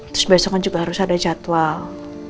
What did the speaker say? terus besoknya juga harus ada jadwal